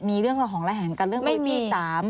มีเรื่องราวของรายแห่งกันเรื่องโต้ชู้สาม